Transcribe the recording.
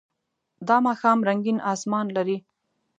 دا ماښام رنګین آسمان لري.